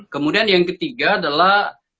kemudian yang ketiga adalah